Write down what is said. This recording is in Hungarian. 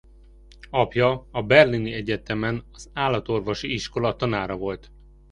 Apja a Berlini Egyetemen az állatorvosi iskola tanára volt.